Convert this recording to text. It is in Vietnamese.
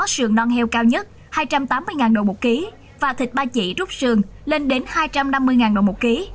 sườn non heo cao nhất hai trăm tám mươi đồng một kg và thịt ba chỉ rút sườn lên đến hai trăm năm mươi đồng một kg